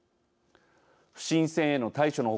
不審船への対処の他